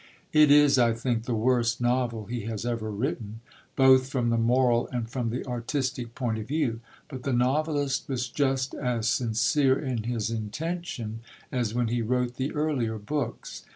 It is, I think, the worst novel he has ever written, both from the moral and from the artistic point of view; but the novelist was just as sincere in his intention as when he wrote the earlier books.